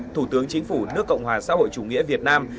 thủ tướng chính phủ nước cộng hòa xã hội chủ nghĩa việt nam